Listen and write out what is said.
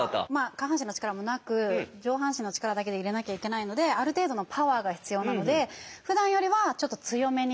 下半身の力もなく上半身の力だけで入れなきゃいけないのである程度のパワーが必要なのでふだんよりはちょっと強めに。